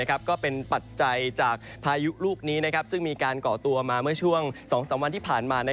ก็เป็นปัจจัยจากพายุลูกนี้ซึ่งมีการก่อตัวมาเมื่อช่วง๒๓วันที่ผ่านมา